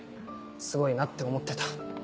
すごいなって思ってた。